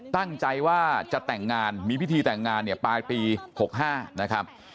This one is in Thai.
ตั้งใจว่าจะแต่งงานมีพิธีแต่งงานเนี่ยปลายปี๖๕นะครับ